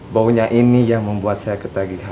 bawanya ini yang membuat saya ketagih